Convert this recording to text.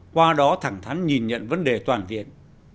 qua đó thẳng thắn nhìn nhận vấn đề toàn diện